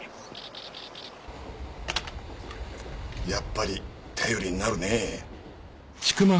やっぱり頼りになるねえ。